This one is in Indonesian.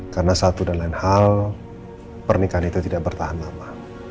karena satu dan lain hal pernikahan itu tidak bertahan lama